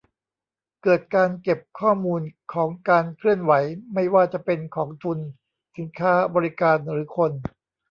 เกิดการเก็บข้อมูลของการเคลื่อนไหวไม่ว่าจะเป็นของทุน สินค้า บริการ หรือคน